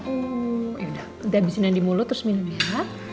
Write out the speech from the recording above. udah abis nanti mulu terus minum ya